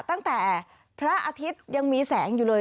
ตั้งแต่พระอาทิตย์ยังมีแสงอยู่เลย